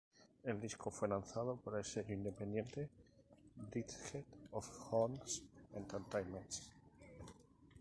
El disco fue lanzado por el sello independiente "Bridge of Hands Entertaiment.